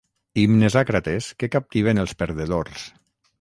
Himnes àcrates que captiven els perdedors.